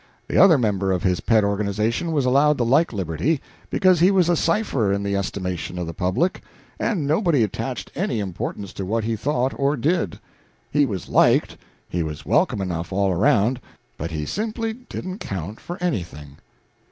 The other member of his pet organization was allowed the like liberty because he was a cipher in the estimation of the public, and nobody attached any importance to what he thought or did. He was liked, he was welcome enough all around, but he simply didn't count for anything.